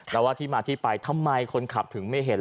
แล้วว่าที่มาที่ไปทำไมคนขับถึงไม่เห็น